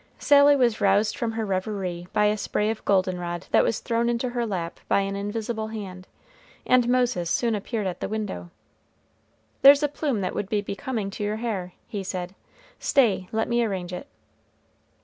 Sally was roused from her revery by a spray of goldenrod that was thrown into her lap by an invisible hand, and Moses soon appeared at the window. "There's a plume that would be becoming to your hair," he said; "stay, let me arrange it."